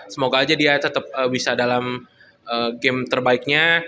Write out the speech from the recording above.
semoga aja dia tetap bisa dalam game terbaiknya